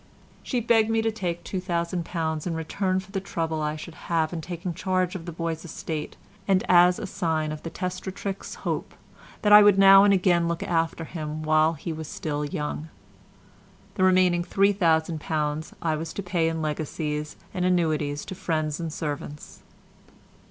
She begged me to take £2000 in return for the trouble I should have in taking charge of the boy's estate, and as a sign of the testatrix's hope that I would now and again look after him while he was still young. The remaining £3000 I was to pay in legacies and annuities to friends and servants.